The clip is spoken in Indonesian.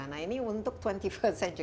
nah ini untuk dua puluh satu st century